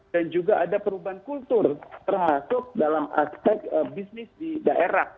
dan juga ada perubahan kultur termasuk dalam aspek bisnis di daerah